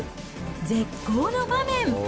絶好の場面。